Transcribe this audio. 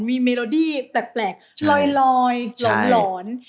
มีเมโลดี้แปลกลอยหลอน